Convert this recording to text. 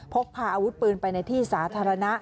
พกพาอาวุธปืนไปในที่สาธารณะ